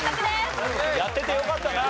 やっててよかったな。